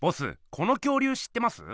この恐竜知ってます？